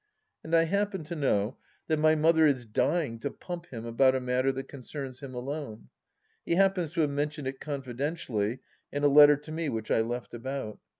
And I happen to know that my mother is dying to pump him about a matter that concerns him alone. He happens to have mentioned it confidentially in a letter to me which I left about.